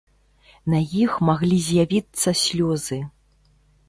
На іх маглі з'явіцца слёзы.